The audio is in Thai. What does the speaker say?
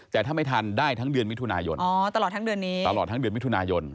แต่ถ้าไม่ทันได้ทั้งเดือนวิทยุนายนตลอดทั้งเดือนวิทยุนายน